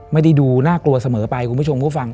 ไม่ได้ดูน่ากลัวเสมอไปคุณผู้ชมผู้ฟัง